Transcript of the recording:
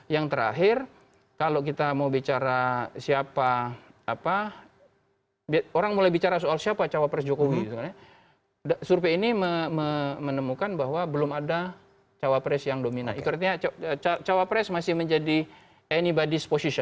yang kedua selalu ada partai baru